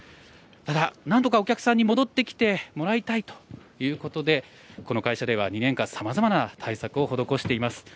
ただ、なんとかお客さんに戻ってきてもらいたいということで、この会社では２年間、さまざまな対策を施しています。